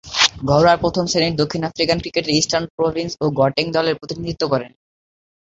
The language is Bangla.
ঘরোয়া প্রথম-শ্রেণীর দক্ষিণ আফ্রিকান ক্রিকেটে ইস্টার্ন প্রভিন্স ও গটেং দলের প্রতিনিধিত্ব করেন।